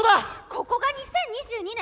ここが２０２２年？